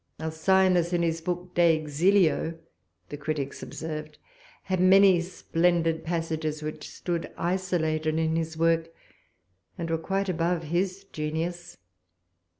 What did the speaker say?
Alcyonius, in his book De Exilio, the critics observed, had many splendid passages which stood isolated in his work, and were quite above his genius.